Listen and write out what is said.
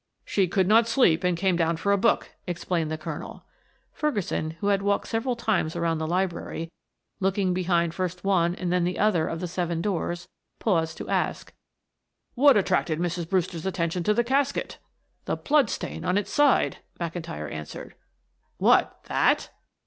"She could not sleep and came down for a book," explained the Colonel. Ferguson, who had walked several times around the library, looking behind first one and then the other of the seven doors, paused to ask: "What attracted Mrs. Brewster's attention to the casket?" "The blood stain on its side," McIntyre answered. "What that!"